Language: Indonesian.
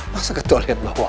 masa ke toiletlah wah